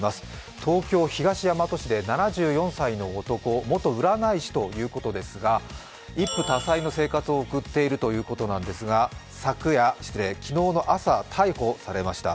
東京・東大和市で７４歳の男元占い師ということですが、一夫多妻の生活を送っているということですが昨日の朝、逮捕されました。